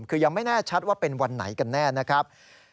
คือยังไม่แน่ชัดว่าเป็นวันไหนกันแน่นะครับ